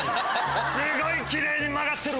すごいきれいに曲がってる！